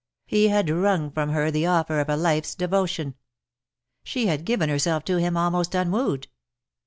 He had wrung from her the offer of a lifers devotion. She had given herself to him almost unwooed.